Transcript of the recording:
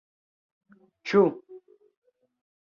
Ĉu.